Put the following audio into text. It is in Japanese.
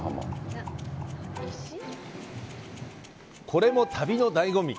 これも旅のだいご味。